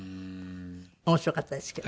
面白かったですけど。